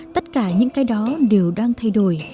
tất cả những cái đó đều đang thay đổi